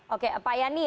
oke pak yani